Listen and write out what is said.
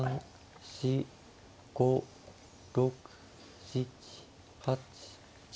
４５６７８９。